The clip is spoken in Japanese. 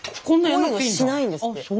こういうのしないんですって。